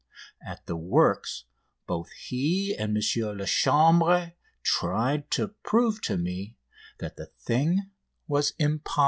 At the works both he and M. Lachambre tried to prove to me that the thing was impossible.